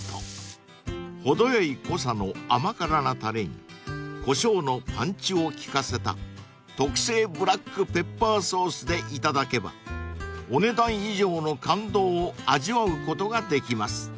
［程よい濃さの甘辛なタレにコショウのパンチを利かせた特製ブラックペッパーソースでいただけばお値段以上の感動を味わうことができます］